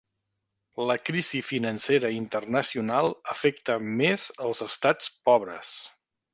La crisi financera internacional afecta més els estats pobres.